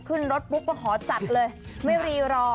ขึ้นรถปุ๊บก็ขอจัดเลยไม่รีรอ